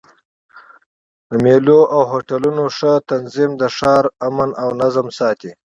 د مېلو او هوټلونو ښه تنظیم د ښار امن او نظم ساتي.